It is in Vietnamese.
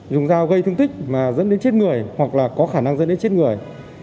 dùng dao gây thương tích mà dẫn đến chết người hoặc là có khả năng dẫn đến chết người